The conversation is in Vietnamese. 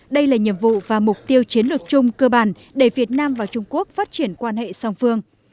đây là nhiệm vụ và mục tiêu chiến lược chung cơ bản để việt nam và trung quốc phát triển quan hệ song phương